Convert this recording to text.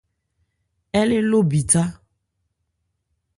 Ɛ le ló bithá.